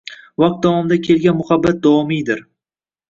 Vaqt davomida kelgan muhabbat davomiydir.